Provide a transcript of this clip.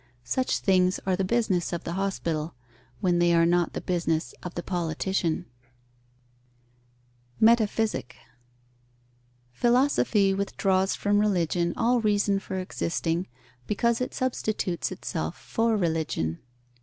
Such things are the business of the hospital, when they are not the business of the politician. Metaphysic. Philosophy withdraws from religion all reason for existing, because it substitutes itself for religion.